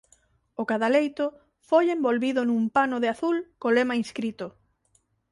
O cadaleito foi envolvido nun pano de azul co lema inscrito.